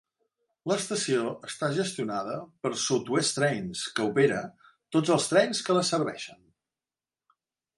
L'estació està gestionada per South West Trains, que opera tots els trens que la serveixen.